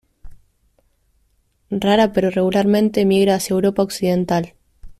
Rara pero regularmente migra hacia Europa Occidental.